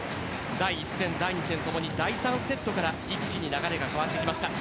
第１戦、第２戦ともに第３セットから一気に流れが変わりました。